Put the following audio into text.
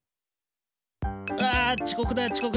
うわちこくだちこくだ！